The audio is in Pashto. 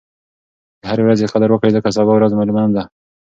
د هرې ورځې قدر وکړئ ځکه سبا ورځ معلومه نه ده.